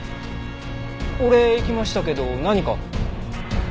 俺行きましたけど何か？